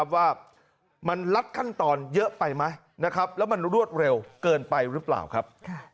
ว่ามันลัดขั้นตอนเยอะไปไหมแล้วมันรวดเร็วเกินไปหรือเปล่าครับ